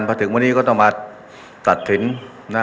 ผสมวนที่ถึงวันนี้ก็ต้องมาถัดถินนะ